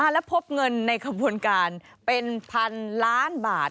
แล้วพบเงินในกระบวนการเป็น๑๐๐๐ล้านบาท